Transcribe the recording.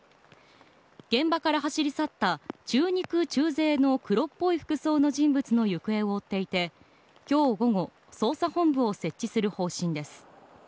現場から走り去った中肉中背の黒っぽい服装の人物の行方を追っていて今日午後捜査本部を設置する方針です。